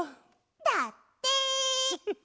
だって。